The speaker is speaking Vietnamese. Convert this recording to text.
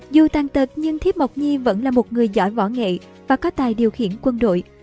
dù tàn tật nhưng thiếp mộc nhi vẫn là một người giỏi võ nghệ và có tài điều khiển quân đội